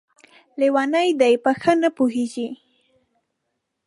لېونۍ ده ، په ښه نه پوهېږي!